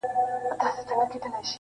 پر هوسۍ سترګو چي رنګ د کجل راسي-